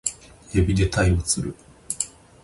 海老で鯛を釣る